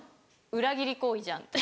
「裏切り行為じゃん」って。